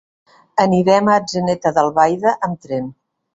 Anirem a Atzeneta d'Albaida amb tren.